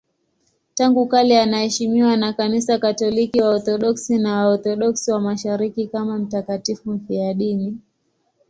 Tangu kale anaheshimiwa na Kanisa Katoliki, Waorthodoksi na Waorthodoksi wa Mashariki kama mtakatifu mfiadini.